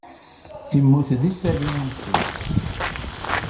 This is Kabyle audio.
Immut. D isali unṣib.